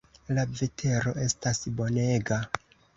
La vetero estas bonega.